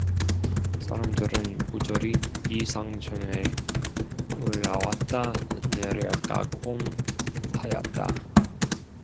사람들은 부절히 이 상층에 올라왔다 내려가곤 하였다.